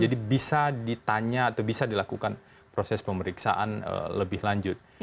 jadi bisa ditanya atau bisa dilakukan proses pemeriksaan lebih lanjut